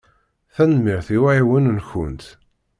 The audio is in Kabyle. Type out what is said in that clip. Tanemmirt i uɛiwen-nkent.